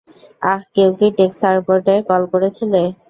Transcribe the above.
আহ, কেউ কি টেক সাপোর্টে কল করেছিলে?